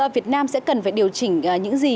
việt nam sẽ cần phải điều chỉnh những gì